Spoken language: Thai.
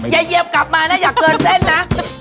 อย่าเย็บกลับมานะอย่าเกิดเส้นนะ